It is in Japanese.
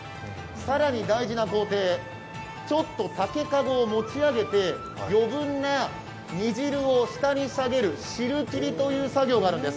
更に大事な工程、ちょっと竹籠を持ち上げて余分な煮汁を下に下げる、汁切りという作業があるんです。